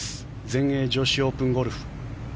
全英女子オープンゴルフ。